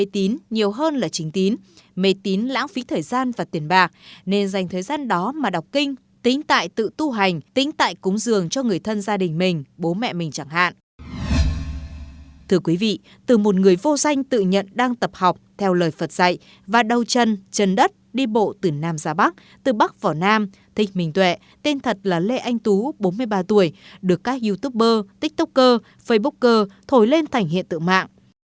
từ một người vô danh tự nhận đang tập học theo lời phật dạy và đầu chân chân đất đi bộ từ nam ra bắc từ bắc vào nam thích mình tuệ tên thật là lê anh tú bốn mươi ba tuổi được các youtuber tiktoker facebooker thổi lên thành hiện tự mạng